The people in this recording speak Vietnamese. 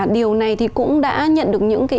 điều này thì cũng đã nhận được những cái